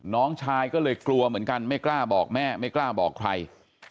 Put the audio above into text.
น้องชายก็เลยกลัวเหมือนกันไม่กล้าบอกแม่ไม่กล้าบอกใคร